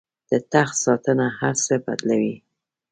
د تخت ساتنه هر څه بدلوي.